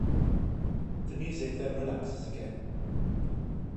The music then relaxes again.